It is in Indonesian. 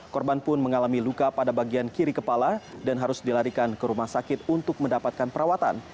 korban pun mengalami luka pada bagian kiri kepala dan harus dilarikan ke rumah sakit untuk mendapatkan perawatan